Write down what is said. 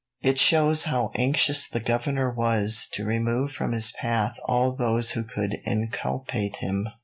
It shows how anxious the governor was to remove from his path all those who could inculpate him.